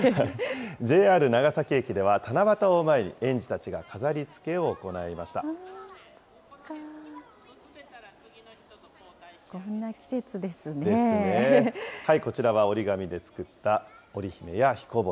ＪＲ長崎駅では、七夕を前に園児たちが飾りつけを行いました。ですね。こちらは折り紙で作った織り姫やひこ星。